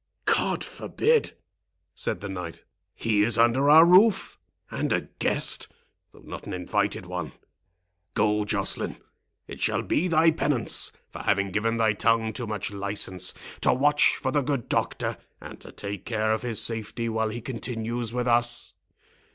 "God forbid!" said the knight. "He is under our roof, and a guest, though not an invited one.—Go, Joceline; it shall be thy penance, for having given thy tongue too much license, to watch for the good doctor, and to take care of his safety while he continues with us.